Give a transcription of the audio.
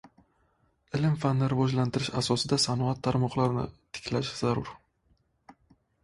Ilm-fanni rivojlantirish asosida sanoat tarmoqlarini tiklash zarur.